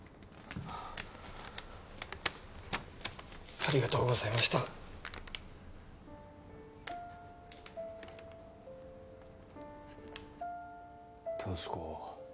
ありがとうございました俊子